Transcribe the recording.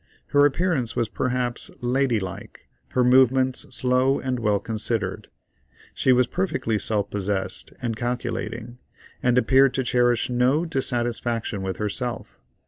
Her appearance was perhaps lady like, her movements slow and well considered. She was perfectly self possessed and calculating, and appeared to cherish no dissatisfaction with herself.